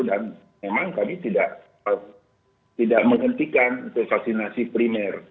dan memang tadi tidak menghentikan vaksinasi primer